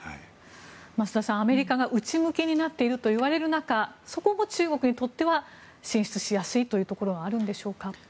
増田さん、アメリカが内向きになっているといわれる中そこも中国にとっては進出しやすいところはあるんでしょうか。